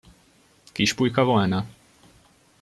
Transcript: Kispulyka volna?